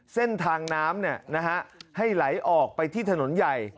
เส้นทางน้ำให้ไหลออกไปที่ถนนใหญ่